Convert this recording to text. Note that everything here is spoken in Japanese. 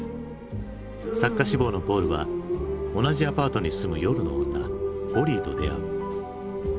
作家志望のポールは同じアパートに住む夜の女ホリーと出会う。